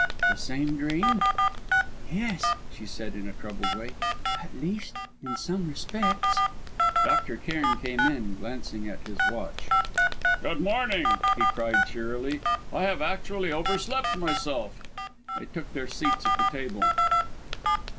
"The same dream?" "Yes," she said in a troubled way; "at least in some respects " Dr. Cairn came in, glancing at his watch. "Good morning!" he cried, cheerily. "I have actually overslept myself." They took their seats at the table.